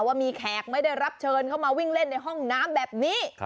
ว่ามีแขกไม่ได้รับเชิญเข้ามาวิ่งเล่นในห้องน้ำแบบนี้